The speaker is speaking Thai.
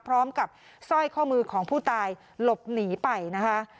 พร้อมกับสร้อยข้อมือของผู้ตายหลบหนีไปนะคะ